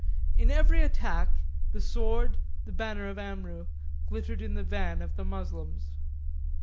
In every attack, the sword, the banner of Amrou, glittered in the van of the Moslems.